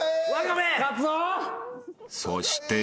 ［そして］